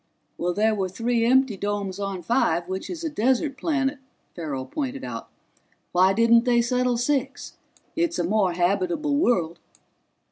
"There were three empty domes on Five, which is a desert planet," Farrell pointed out. "Why didn't they settle Six? It's a more habitable world."